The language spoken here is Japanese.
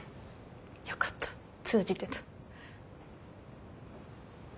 よかった通じてた。